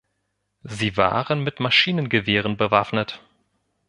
Sie waren mit Maschinengewehren bewaffnet.